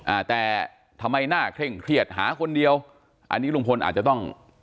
อ่าแต่ทำไมหน้าเคร่งเครียดหาคนเดียวอันนี้ลุงพลอาจจะต้อง